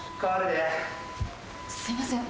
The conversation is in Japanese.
「すいません。